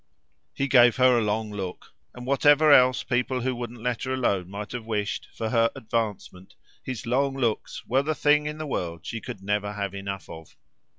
He gave her a long look, and whatever else people who wouldn't let her alone might have wished, for her advancement, his long looks were the thing in the world she could never have enough of.